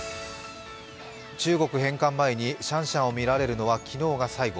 中国返還前にシャンシャンを見られるのは昨日が最後。